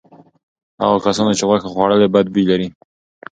هغو کسانو چې غوښه خوړلې بد بوی لري.